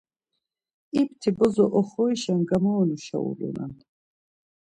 İpti bozo oxorişen gamaonuşa ulunan.